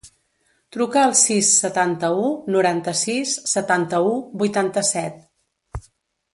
Truca al sis, setanta-u, noranta-sis, setanta-u, vuitanta-set.